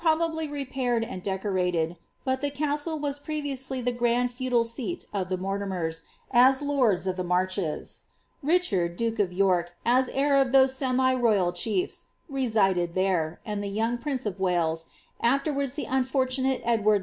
bably re]nired and decomted, but the castle was previouslr the gml feudal seat of the Mortimers, as lords of the marches ; Richard, dake of York, as heir of those semi royal chiefs, resided there, and the jouv^ prince of Wales, afterwards the unfortonate Edward V.